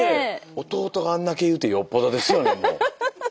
弟があんだけ言うってよっぽどですよね